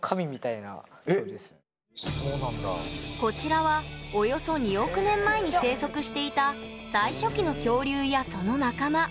こちらはおよそ２億年前に生息していた最初期の恐竜やその仲間。